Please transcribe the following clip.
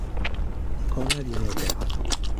Nicola viene operato.